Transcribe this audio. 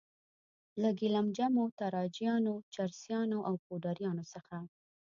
له ګیلم جمو، تاراجیانو، چرسیانو او پوډریانو څخه.